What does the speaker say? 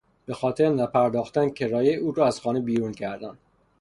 به خاطر نپرداختن کرایه او را از خانه بیرون کردند.